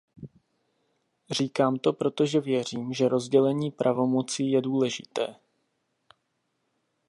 Říkám to, protože věřím, že rozdělení pravomocí je důležité.